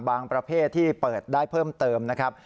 ประเภทที่เปิดได้เพิ่มเติมนะครับ